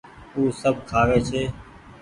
او سب کآوي ڇي۔